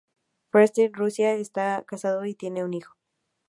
Petersburg, Rusia y está casado y tiene un hijo.